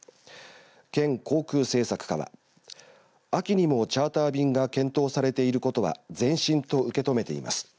県航空政策課は秋にもチャーター便が検討されていることは前進と受け止めています。